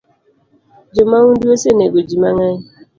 Jo maundu osenego jii mangeny